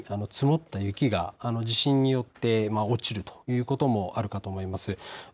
また屋根に積もった雪が地震によって落ちるということもあるかと思います。